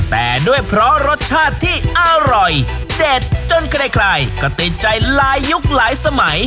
แต่ด้วยเพราะรสชาติที่อร่อยเด็ดจนใครก็ติดใจลายยุคหลายสมัย